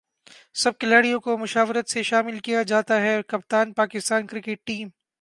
سب کھلاڑیوں کومشاورت سےشامل کیاجاتاہےکپتان پاکستان کرکٹ ٹیم